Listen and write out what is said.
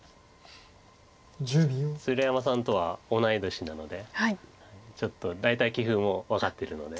鶴山さんとは同い年なのでちょっと大体棋風も分かってるので。